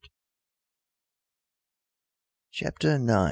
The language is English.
CHAPTER IX.